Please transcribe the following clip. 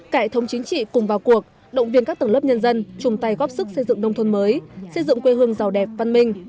cải thống chính trị cùng vào cuộc động viên các tầng lớp nhân dân chung tay góp sức xây dựng nông thôn mới xây dựng quê hương giàu đẹp văn minh